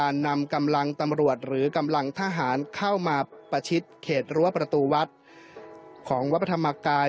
นำกำลังตำรวจหรือกำลังทหารเข้ามาประชิดเขตรั้วประตูวัดของวัดพระธรรมกาย